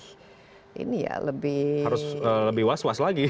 harus lebih was was lagi